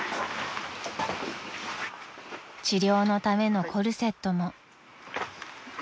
［治療のためのコルセットも］